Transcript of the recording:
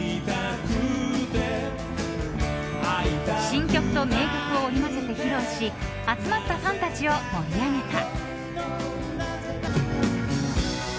新曲と名曲を織り交ぜて披露し集まったファンたちを盛り上げた。